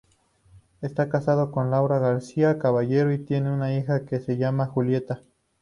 Está casado con Laura García Caballero y tiene una hija que se llama Julieta.